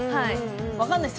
分かんないです。